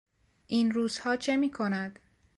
این روزها چه میکند؟